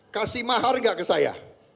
kasih maharga ke saya